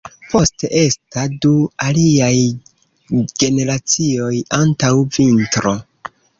Poste esta du aliaj generacioj antaŭ vintro.